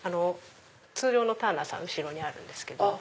通常のターナーさん後ろにあるんですけど。